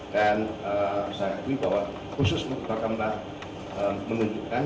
dan saya akui bahwa khusus untuk bakal menunjukkan